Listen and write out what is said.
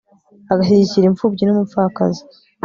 agashyigikira impfubyi n'umupfakazi